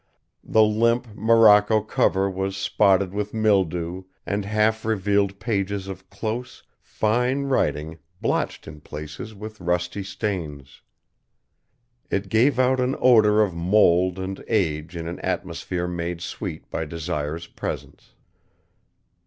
The limp morocco cover was spotted with mildew and half revealed pages of close, fine writing blotched in places with rusty stains. It gave out an odor of mould and age in an atmosphere made sweet by Desire's presence.